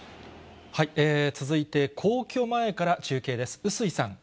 続いて、皇居前から中継です。